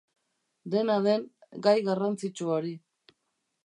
Dena den, gai garrantzitsu hori.